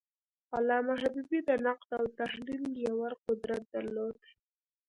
علامه حبیبي د نقد او تحلیل ژور قدرت درلود.